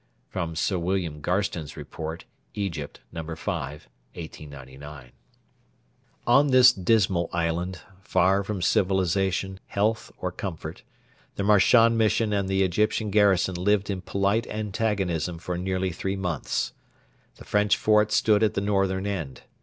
Sir William Garstin's Report: EGYPT, No. 5, 1899.] On this dismal island, far from civilisation, health, or comfort, the Marchand Mission and the Egyptian garrison lived in polite antagonism for nearly three months. The French fort stood at the northern end.